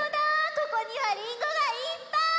ここにはりんごがいっぱい！